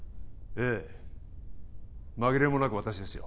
ええ紛れもなく私ですよ